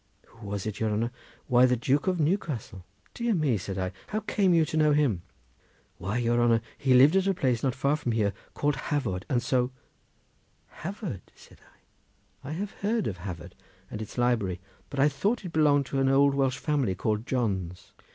"Who was it, your honour? why, the Duke of Newcastle." "Dear me!" said I; "how came you to know him?" "Why, your honour, he lived at a place not far from here, called Hafod, and so—" "Hafod!" said I; "I have often heard of Hafod and its library; but I thought it belonged to an old Welsh family called Johnes."